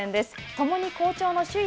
ともに好調の首位